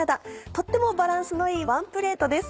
とってもバランスのいいワンプレートです。